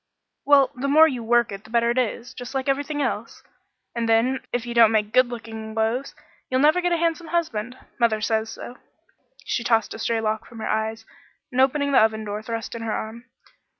"Well the more you work it the better it is, just like everything else; and then if you don't make good looking loaves, you'll never have a handsome husband. Mother says so." She tossed a stray lock from her eyes, and opening the oven door thrust in her arm.